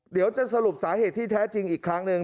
เดี๋ยวจะสรุปสาเหตุที่แท้จริงอีกครั้งหนึ่ง